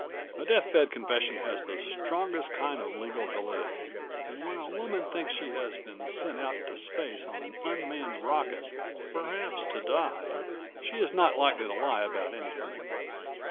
A death bed confession has the strongest kind of legal validity and when a woman thinks she has been sent out into space on an unmanned rocket perhaps to die ... she is not likely to lie about anything.